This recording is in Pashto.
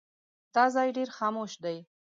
دا ځای ډېر خاموش دی.